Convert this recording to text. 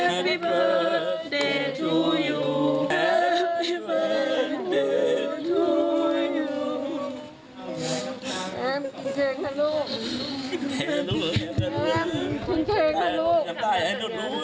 แอมขึ้นเครงนะลูก